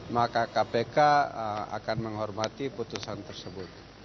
maka kpk akan menghormati putusan tersebut